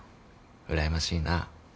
うらやましいな。